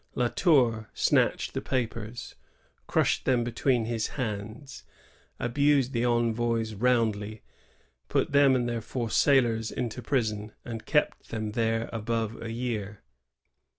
La Tour snatched the papers, crushed them between his hands, abused the envoys roundly, put them and their four sailors into prison, and kept them there above a year.'